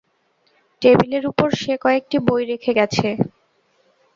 টেবিলের উপর সে কয়েকটি বই রেখে গেছে।